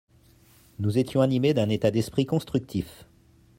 Nous étions animés d’un état d’esprit constructif.